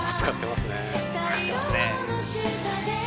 使ってますね。